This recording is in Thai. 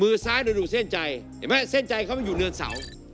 ซ้ายดูเส้นใจเห็นไหมเส้นใจเขามันอยู่เนินเสา